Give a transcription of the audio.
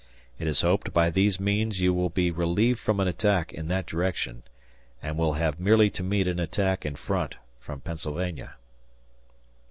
It is hoped by these means you will be relieved from an attack in that direction, and will have merely to meet an attack in front from Pennsylvania."